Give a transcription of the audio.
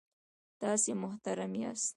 تاسې محترم یاست.